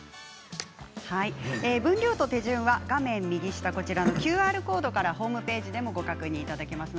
分量と手順は画面右下のこちらのＱＲコードからホームページでもご確認いただけます。